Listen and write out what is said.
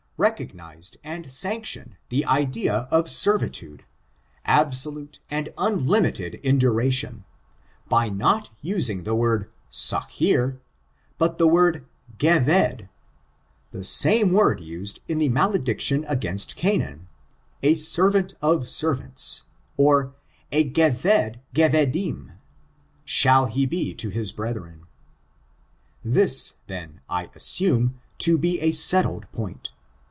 OK ABOLmOKISM 517 recognized and sanctioned the idea of servitude, abso« lute and unlinnited in duration* by not using the word 9{tck€erf but the word gehved — the same word used in the malediction against Canaan: "A servant of servants," or a gehved gekvedim, ''shall he be to his brethren." This, then, I assume, to be a settled point.